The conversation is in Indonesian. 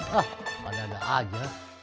hah ada ada aja